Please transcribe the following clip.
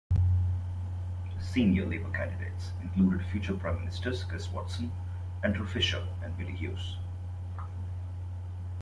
Senior Labour candidates included future Prime Ministers Chris Watson, Andrew Fisher and Billy Hughes.